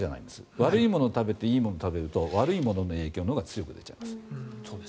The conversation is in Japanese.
悪いものを食べていいものを食べると悪いものの影響のほうが強く出ちゃうんです。